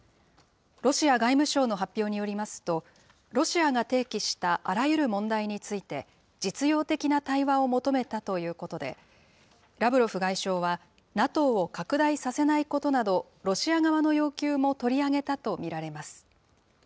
ロシア外務省の発表によりますと、ロシアが提起したあらゆる問題について、実用的な対話を求めたということで、ラブロフ外相は、ＮＡＴＯを拡大させないことなど、ロシア側の要求も取り上げたと見られます。